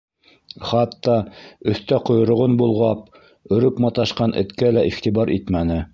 Хатта өҫтә ҡойроғон болғап, өрөп маташҡан эткә лә иғтибар итмәне.